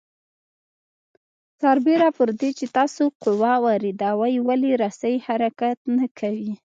سربېره پر دې چې تاسو قوه واردوئ ولې رسۍ حرکت نه کوي؟